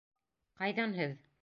— Ҡайҙан һеҙ?